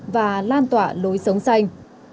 và lan tỏa lối sống xanh